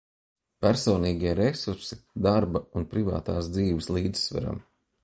Personīgie resursi darba un privātās dzīves līdzsvaram.